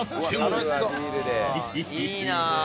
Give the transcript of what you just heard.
いいなあ。